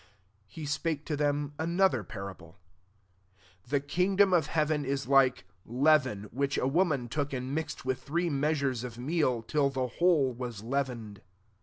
33 He spake to them ano ther parable :*« The kingdom of heaven is like leaven, which a woman took and mixed with three measures of meaU till the whole was leavened."